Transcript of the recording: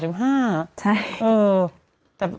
ใช่